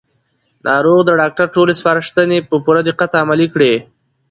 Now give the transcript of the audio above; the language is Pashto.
ناروغ د ډاکټر ټولې سپارښتنې په پوره دقت عملي کړې